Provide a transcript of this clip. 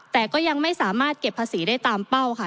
แต่ก็ยังไม่สามารถเก็บภาษีได้ตามเป้าค่ะ